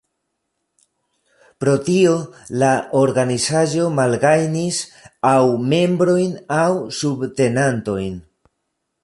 Pro tio, la organizaĵo malgajnis aŭ membrojn aŭ subtenantojn.